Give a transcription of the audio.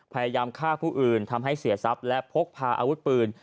พยายามฆ่าผู้อื่นทำให้เสียทรัพย์และพกพาอาวุธปืน